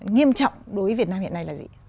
nghiêm trọng đối với việt nam hiện nay là gì